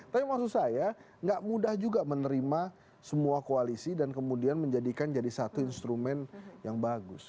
tapi maksud saya gak mudah juga menerima semua koalisi dan kemudian menjadikan jadi satu instrumen yang bagus